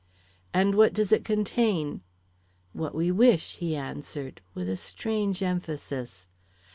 'And what does it contain?' 'What we wish,' he answered, with a strange emphasis.